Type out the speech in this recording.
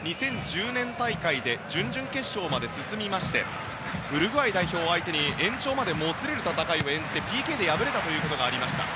２０１０年大会で準々決勝まで進みましてウルグアイ代表相手に延長戦までもつれる戦いをしてＰＫで敗れたということがありました。